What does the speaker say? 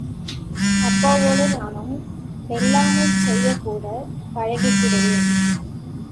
அப்பாவோடு நானும் வெள்ளாமை செய்யக் கூடப் பழகிக்கிடுவேன்.